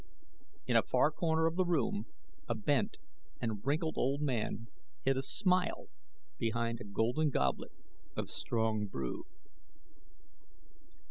In a far corner of the room a bent and wrinkled old man hid a smile behind a golden goblet of strong brew.